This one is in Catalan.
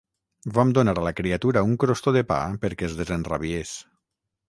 Vam donar a la criatura un crostó de pa perquè es desenrabiés.